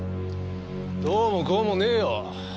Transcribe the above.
どうもこうもねえよ。